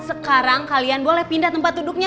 sekarang kalian boleh pindah tempat duduknya